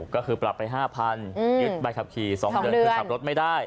ก็คือปรับไป๕๐๐๐ยึดใบขับขี่๒เดือนคือขับรถไม่ได้